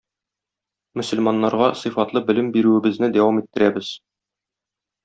Мөселманнарга сыйфатлы белем бирүебезне дәвам иттерәбез.